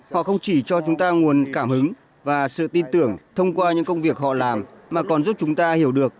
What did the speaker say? họ không chỉ cho chúng ta nguồn cảm hứng và sự tin tưởng thông qua những công việc họ làm mà còn giúp chúng ta hiểu được